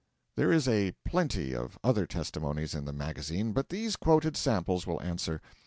There is a plenty of other testimonies in the magazine, but these quoted samples will answer.